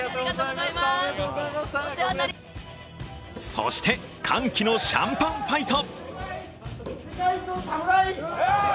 そして歓喜のシャンパンファイト！